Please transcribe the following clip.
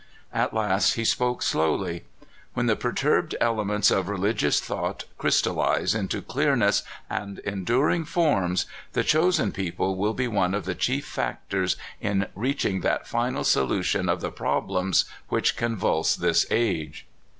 At last he spoke slowly : "When the perturbed elements of religious thought crystallize into clearness and enduring forms, the chosen people will be one of the chief factors in reaching that final solution of the prob lems which convulse this age."